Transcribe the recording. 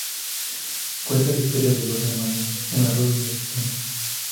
Cuenta la historia de dos hermanas, una rubia y la otra morena.